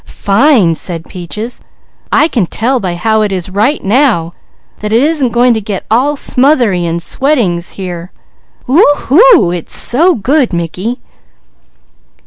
"Fine!" said Peaches. "I can tell by how it is right now, that it isn't going to get all smothery an' sweatin's here; whoohoo it's so good, Mickey!"